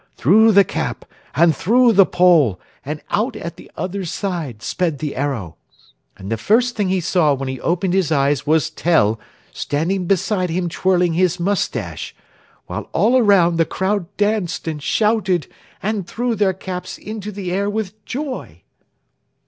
Through the cap and through the pole and out at the other side sped the arrow. And the first thing he saw when he opened his eyes was Tell standing beside him twirling his moustache, while all around the crowd danced and shouted and threw their caps into the air with joy.